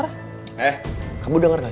kamu akan ditangkap sama aku